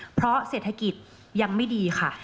เพราะเศรษฐกิจยังไม่ดีค่ะ